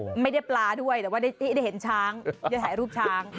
ไม่ได้ปลาด้วยแต่ว่าได้เห็นช้างได้ถ่ายรูปช้าง